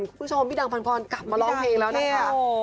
คุณผู้ชมพี่ดังพันพรกลับมาร้องเพลงแล้วนะคะ